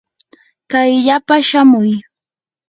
kayllapa shamuy.